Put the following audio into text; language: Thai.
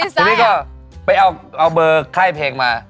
ทีนี้ก็ไปเอาเบอร์ค่ายเพลงมา